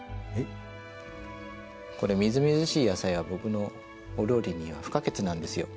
これみずみずしい野菜は僕のお料理には不可欠なんですよ。